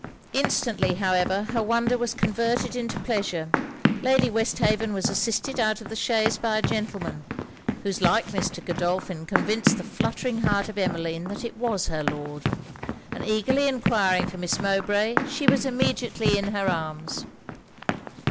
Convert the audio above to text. Instantly however her wonder was converted into pleasure. Lady Westhaven was assisted out of the chaise by a gentleman, whose likeness to Godolphin convinced the fluttering heart of Emmeline that it was her Lord; and eagerly enquiring for Miss Mowbray, she was immediately in her arms.